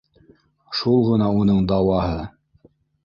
Шул ғына уның дауаһы